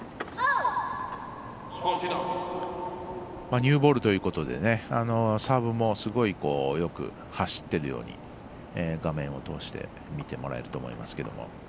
ニューボールということでサーブもすごいよく走っているように画面を通して見てもらえると思いますけども。